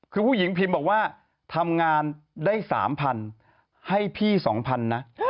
คือผู้หญิงพิมพ์บอกว่าทำงานได้๓๐๐๐ให้พี่๒๐๐๐นะ